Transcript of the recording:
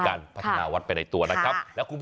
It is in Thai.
ทางวัดไปในตัวนะครับ